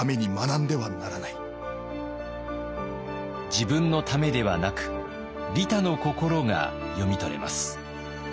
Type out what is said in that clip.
自分のためではなく利他の心が読み取れます。